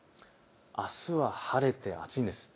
あすは晴れて暑いんです。